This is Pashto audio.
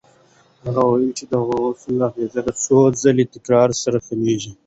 هغه وویل چې د غوطې اغېز د څو ځله تکرار سره کمېږي.